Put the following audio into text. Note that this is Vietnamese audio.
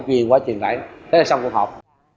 ghi qua truyền đại thế là xong cuộc họp